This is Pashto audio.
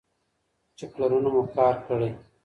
چې پلرونو مو کار کړی.